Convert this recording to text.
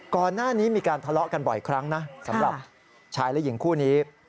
ก่อนหน้านี้มีการทะเลาะกันบ่อยครั้งนะสำหรับชายและหญิงคู่นี้